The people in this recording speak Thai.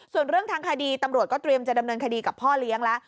ส่วนเรื่องทางคดีตำรวจก็เตรียมจะดำเนินคดีกับพ่อเลี้ยงแล้ว